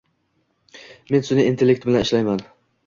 Men sunʼiy intellekt bilan ishlayman.